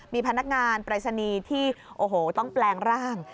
มีพนักงานปรายศนีย์ที่โอ้โหต้องแปลงร่าง